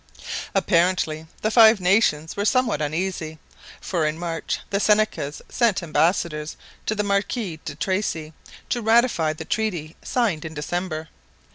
Apparently the Five Nations were somewhat uneasy, for in March the Senecas sent ambassadors to the Marquis de Tracy to ratify the treaty signed in December.